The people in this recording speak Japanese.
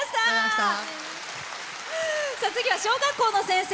次は小学校の先生。